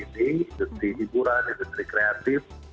industri hiburan industri kreatif